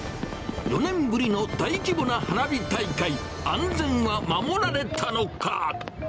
４年ぶりの大規模な花火大会、安全は守られたのか？